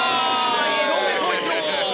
井上宗一郎！